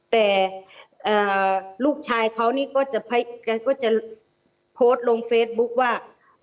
แต่ลูกชายเขานี่ก็จะโพสต์ลงเฟซบุ๊คว่า